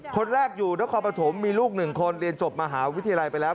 คนแรกอยู่นครปฐมมีลูก๑คนเรียนจบมหาวิทยาลัยไปแล้ว